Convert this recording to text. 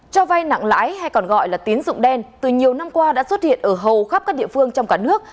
cho vay nặng lãi hay còn gọi là tín dụng đen từ nhiều năm qua đã xuất hiện ở hầu khắp các địa phương trong cả nước